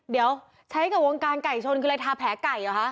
เดี๋ยวใช้กับวงการไก่ชนคืออะไรทาแผลไก่เหรอคะ